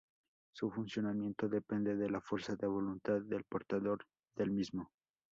Su funcionamiento depende de la fuerza de voluntad del portador del mismo.